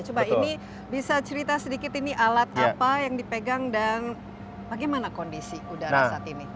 coba ini bisa cerita sedikit ini alat apa yang dipegang dan bagaimana kondisi udara saat ini